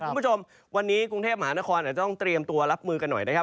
คุณผู้ชมวันนี้กรุงเทพมหานครอาจจะต้องเตรียมตัวรับมือกันหน่อยนะครับ